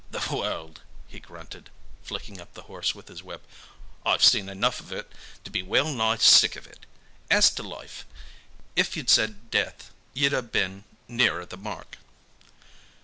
"The world!" he grunted, flicking up the horse with his whip. "I've seen enough of it to be well nigh sick of it. As to life, if you'd said death, you'd ha' been nearer the mark."